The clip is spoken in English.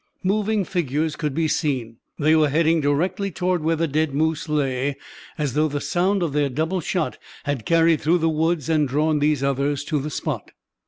Moving figures could be seen. They were heading directly toward where the dead moose lay, as though the sound of their double shot had carried through the woods and drawn these others to the spot.